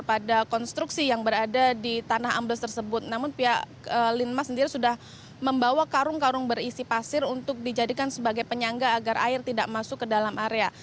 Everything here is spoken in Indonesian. pada konstruksi yang berada di tanah ambles tersebut namun pihak linmas sendiri sudah membawa karung karung berisi pasir untuk dijadikan sebagai penyangga agar air tidak masuk ke dalam area